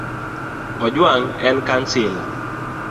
Ojwang en kansila.